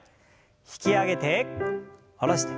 引き上げて下ろして。